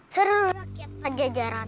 seluruh rakyat pajajaran